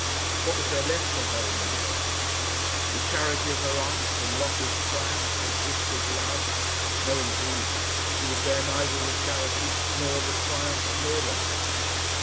What was there left to her in the world? The charity of her aunt, and Lotta's triumph, and Ziska's love? No indeed! She would bear neither the charity, nor the triumph, nor the love.